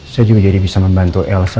saya juga jadi bisa membantu elvan